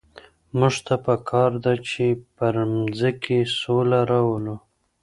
موږ ته په کار ده چي پر مځکي سوله راولو.